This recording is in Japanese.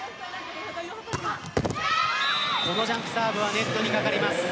このジャンプサーブはネットにかかります。